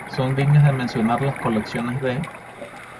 Son dignas de mencionar las colecciones de,